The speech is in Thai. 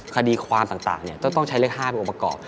คดีความต่างเนี่ยต้องใช้เลข๕เป็นอุปกรณ์